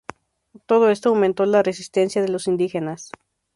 Todo esto aumentó la resistencia de los indígenas.